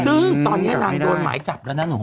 ซึ่งตอนนี้นางโดนหมายจับแล้วนะหนู